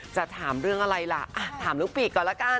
จะถามเรื่องอะไรล่ะถามลูกปีกก่อนละกัน